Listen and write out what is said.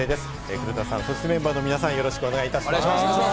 黒田さん、そして月曜メンバーの皆さん、よろしくお願いします。